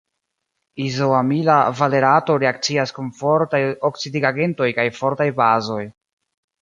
Izoamila valerato reakcias kun fortaj oksidigagentoj kaj fortaj bazoj.